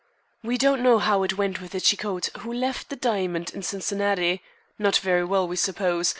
We don't know how it went with the Cicotte who left the diamond in Cincinnati. Not very well, we suppose.